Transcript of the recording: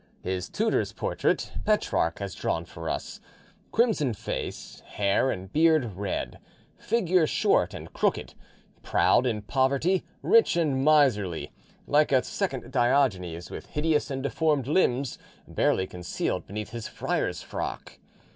His tutor's portrait Petrarch has drawn for us: crimson face, hair and beard red, figure short and crooked; proud in poverty, rich and miserly; like a second Diogenes, with hideous and deformed limbs barely concealed beneath his friar's frock.